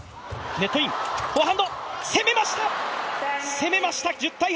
攻めました！